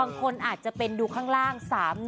บางคนอาจจะเป็นดูข้างล่าง๓๑